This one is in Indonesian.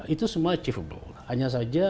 itu semua achievable hanya saja